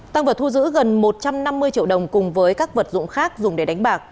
tăng vật thu giữ gần một trăm năm mươi triệu đồng cùng với các vật dụng khác dùng để đánh bạc